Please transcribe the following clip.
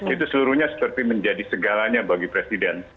itu seluruhnya seperti menjadi segalanya bagi presiden